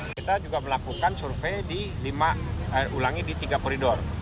kita juga melakukan survei di lima ulangi di tiga peridor